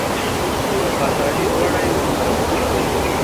د وفاداري لوړه یې ورسره وکړه.